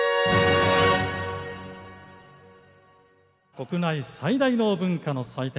国内最大の文化の祭典